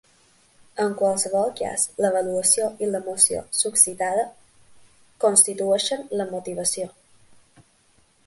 En qualsevol cas, l'avaluació i l'emoció suscitada constitueixen la motivació.